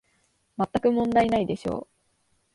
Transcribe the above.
まったく問題ないでしょう